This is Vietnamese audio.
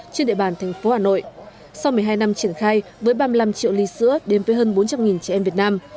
trên địa bàn thành phố hà nội sau một mươi hai năm triển khai với ba mươi năm triệu ly sữa đếm với hơn bốn trăm linh trẻ em việt nam